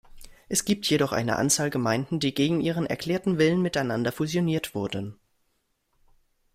Es gibt jedoch eine Anzahl Gemeinden, die gegen ihren erklärten Willen miteinander fusioniert wurden.